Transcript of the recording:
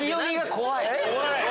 怖い！